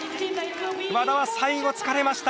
和田は最後、疲れました。